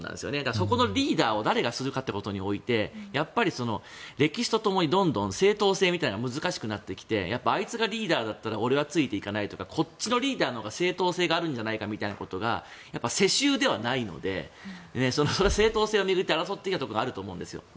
そこのリーダーを誰がするかっていうことにおいて歴史とともにどんどん正統性みたいなのが難しくなってきてあいつがリーダーだったら俺はついていかないとかこっちのリーダーのほうが正統性があるんじゃないかみたいなことが世襲ではないのでその正統性を巡って争ってきたところがあると思うんですよ。